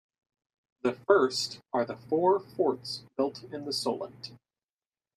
The first are the four forts built in the Solent.